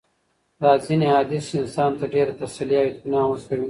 دا ځېني احاديث انسان ته ډېره تسلي او اطمنان ورکوي